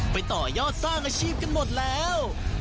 ต่อยอดสร้างอาชีพกันหมดแล้ว